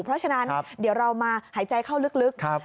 เพราะฉะนั้นเดี๋ยวเรามาหายใจเข้าลึก